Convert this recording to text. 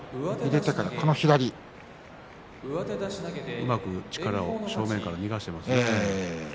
うまく力を正面から逃がしていますね。